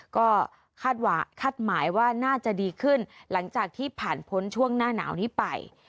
ก็คาดหมายว่าน่าจะดีขึ้นหลังจากที่ผ่านพ้นช่วงหน้าหนาวนี้ไป